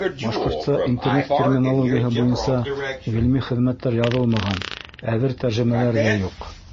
Башҡортса Интернет терминологияһы буйынса ғилми хеҙмәттәр яҙылмаған, әҙер тәржемәләр ҙә юҡ.